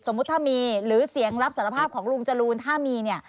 สมมุติถ้ามีหรือเสียงรับสารภาพของลุงจรูนถ้ามี